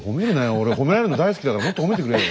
俺褒められるの大好きだからもっと褒めてくれよ。